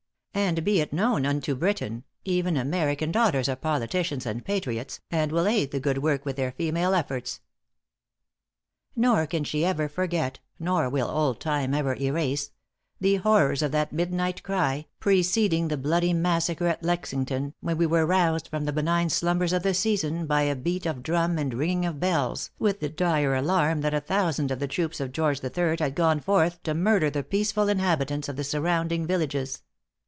And be it known unto Britain, even American daughters are politicians and patriots, and will aid the good work with their female efforts.''. .." Nor can she ever forget, nor will old time ever erase the horrors of that midnight cry, preceding the bloody massacre at Lexington, when we were roused from the benign slumbers of the season, by beat of drum and ringing of bells, with the dire alarm that a thousand of the troops of George the Third had gone forth to murder the peaceful inhabitants of the surrounding villages.